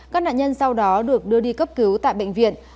các nạn nhân sau đó được đưa đi cấp cứu tại bệnh viện